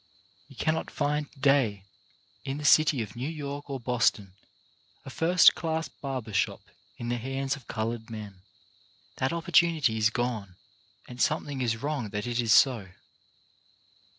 You cannot find to day in the city of New York or Boston a first class barber shop in the hands of coloured men. That opportunity is gone, and something is wrong that it is so.